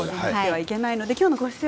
今日のご出演